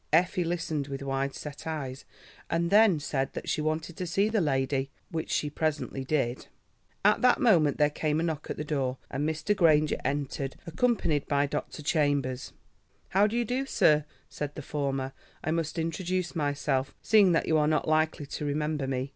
Effie listened with wide set eyes, and then said that she wanted to see the lady, which she presently did. At that moment there came a knock at the door, and Mr. Granger entered, accompanied by Dr. Chambers. "How do you do, sir?" said the former. "I must introduce myself, seeing that you are not likely to remember me.